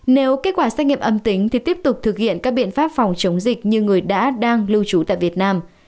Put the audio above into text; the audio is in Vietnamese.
nếu kết quả xét nghiệm âm tính thì tiếp tục thực hiện các biện pháp phòng chống dịch như người đã đang lưu trú tại việt nam